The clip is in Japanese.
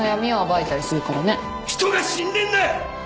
人が死んでんだよ！